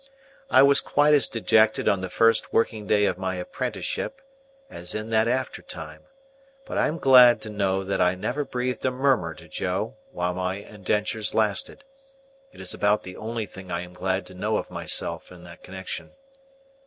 I was quite as dejected on the first working day of my apprenticeship as in that after time; but I am glad to know that I never breathed a murmur to Joe while my indentures lasted. It is about the only thing I am glad to know of myself in that connection.